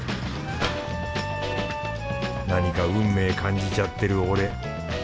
何か運命感じちゃってる俺。